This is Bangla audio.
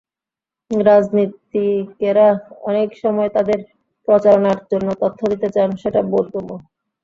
রাজনীতিকেরা অনেক সময় তাঁদের প্রচারণার জন্য তথ্য দিতে চান, সেটা বোধগম্য।